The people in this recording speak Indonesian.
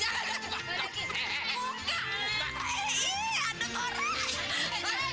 anggur gini buah